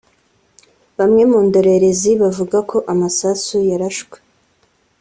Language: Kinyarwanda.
Bamwe mu ndorerezi bavuga ko amasasu yarashwe